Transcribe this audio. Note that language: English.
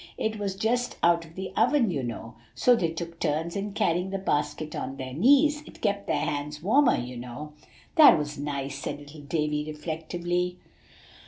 It was just out of the oven, you know; so they took turns in carrying the basket on their knees. It kept their hands warmer, you know." "That was nice," said little Davie reflectively.